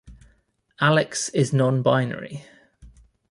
Alex is non-binary.